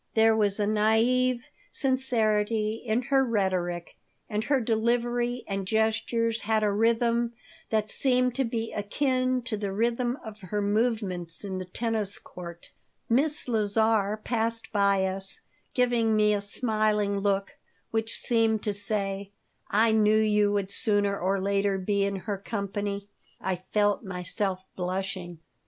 There was a naive sincerity in her rhetoric, and her delivery and gestures had a rhythm that seemed to be akin to the rhythm of her movements in the tennis court Miss Lazar passed by us, giving me a smiling look, which seemed to say, "I knew you would sooner or later be in her company." I felt myself blushing.